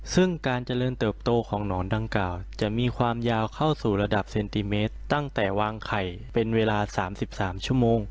ซึ่งการเจริญเติบโตของหนอนดังกล่าวจะมีความยาวเข้าสู่ระดับเซนติเมตรตั้งแต่วางไข่เป็นเวลา๓๓ชั่วโมง